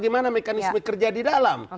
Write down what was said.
bagaimana mekanisme kerja di dalam